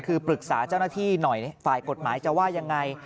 คือปรึกษาเจ้าหน้าที่หน่อยฝ่ายกฎหมายจะว่ายังไง